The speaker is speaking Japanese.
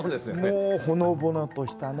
もうほのぼのとしたね